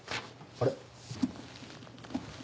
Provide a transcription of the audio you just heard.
あれ？